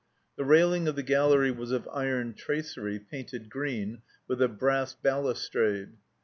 The railing of the gallery was of iron tracery, painted green, with a brass balustrade.